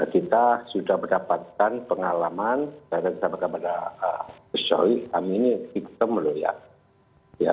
kita sudah mendapatkan pengalaman saya ingin mengatakan kepada soe kami ini sistem loh ya